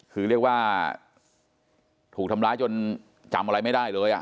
คือเรียกว่าถูกทำร้ายจนจำอะไรไม่ได้เลย